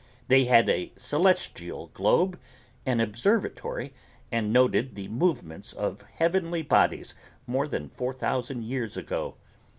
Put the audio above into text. They had a celestial globe, an observatory, and noted the movements of heavenly bodies more than four thousand years ago.